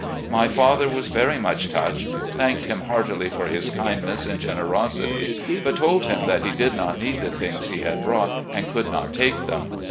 My father was very much touched, thanked him heartily for his kindness and generosity, but told him that he did not need the things he had brought and cotild not take them.